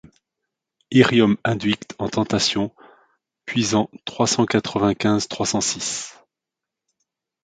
Hiérome induict en tentation Pisan trois cent quatre-vingt-quinze trois cent six.